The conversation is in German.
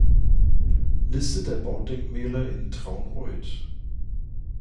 Liste der Baudenkmäler in Traunreut